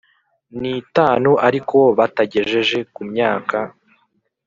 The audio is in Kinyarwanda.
N itanu ariko batagejeje kun myaka